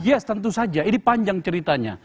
yes tentu saja ini panjang ceritanya